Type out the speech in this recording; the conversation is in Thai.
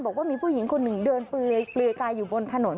บอกว่ามีผู้หญิงคนหนึ่งเดินเปลือยกายอยู่บนถนน